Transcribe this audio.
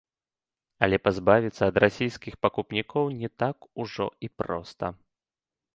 Але пазбавіцца ад расійскіх пакупнікоў не так ужо і проста!